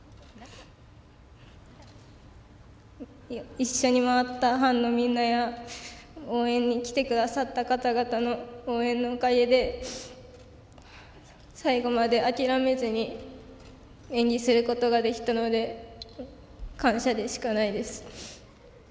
一緒に回った班のみんなや応援に来てくださった方々の応援のおかげで最後まで諦めずに演技することができたので感謝でしかないです。